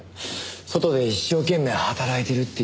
外で一生懸命働いているっていうのに。